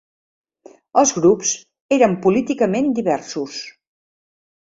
Els grups eren políticament diversos.